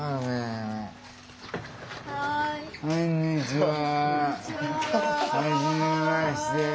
こんにちは。